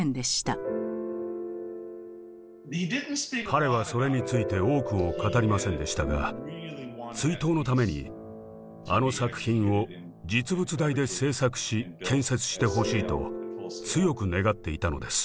彼はそれについて多くを語りませんでしたが追悼のためにあの作品を実物大で制作し建設してほしいと強く願っていたのです。